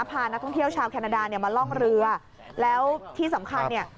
พานักท่องเที่ยวชาวแคนาดาเนี่ยมาล่องเรือแล้วที่สำคัญเนี่ย